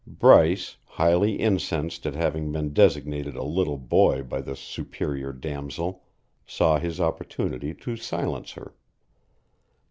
Bryce, highly incensed at having been designated a little boy by this superior damsel, saw his opportunity to silence her.